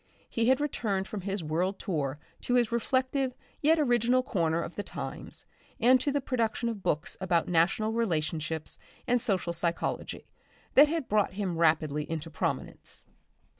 He had returned from his world tour to his reflective yet original corner of The Times and to the production of books about national relationships and social psychology, that had brought him rapidly into prominence.